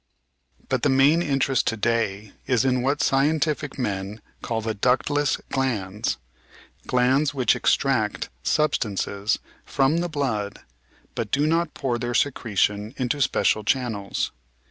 But the main interest to day is in what scientific men call the "ductless" glands: glands which extract substances from the blood but do not pour their secretion into special channels.